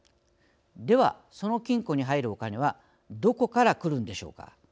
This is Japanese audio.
では、その金庫に入るお金はどこからくるんでしょうか。